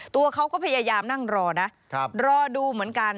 ตัวเขาก็พยายามนั่งรอนะรอดูเหมือนกัน